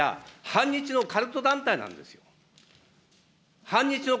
反日のカルト団体なんですよ。